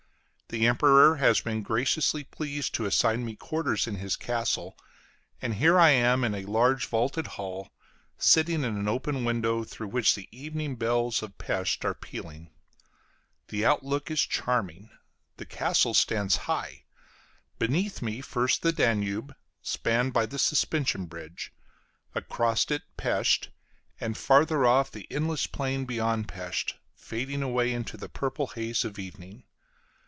The Emperor has been graciously pleased to assign me quarters in his castle; and here I am in a large vaulted hall, sitting at an open window through which the evening bells of Pesth are pealing. The outlook is charming. The castle stands high; beneath me, first, the Danube, spanned by the suspension bridge; across it, Pesth; and further off the endless plain beyond Pesth, fading away into the purple haze of evening.